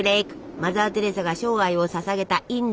マザー・テレサが生涯をささげたインド！